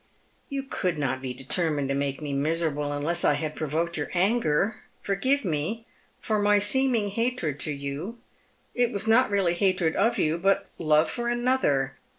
" You could not be determined to make me miserable unless I had provoked your anger. Forgive me for my seeming hatred to you ; it was not really hatred of you, but love for another.